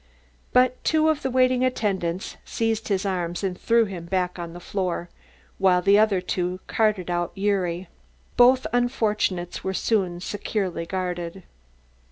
But two of the waiting attendants seized his arms and threw him back on the floor, while the other two carted Gyuri out. Both unfortunates were soon securely guarded.